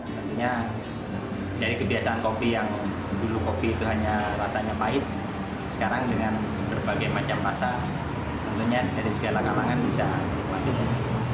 tentunya dari kebiasaan kopi yang dulu kopi itu hanya rasanya pahit sekarang dengan berbagai macam rasa tentunya dari segala kalangan bisa menikmatinya